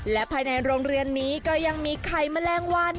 และภายในโรงเรียนนี้ก็ยังมีไข่แมลงวัน